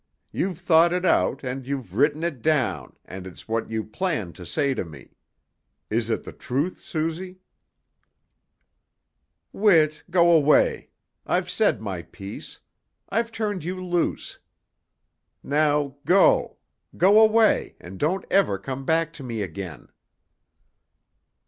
You've thought it out, and you've written it down, and it's what you planned to say to me. Is it the truth, Suzy?" "Whit, go away. I've said my piece. I've turned you loose. Now go! Go away, and don't ever come back to me again."